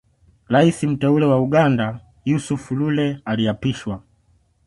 Rais mteule wa Uganda Yusuf Lule aliapishwa